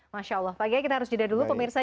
masya allah pak gaya kita harus jeda dulu pemirsa